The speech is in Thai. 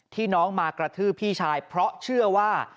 น้องมากระทืบพี่ชายเพราะเชื่อว่า